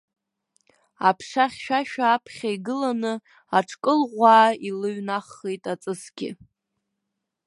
Аԥша хьшәашәа аԥхьа игыланы, аҽкылӷәаа илыҩнаххит аҵысгьы.